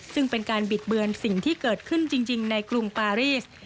ซึ่งเป็นการบิดเบือนสิ่งที่เกิดขึ้นจริงในกรุงปารีส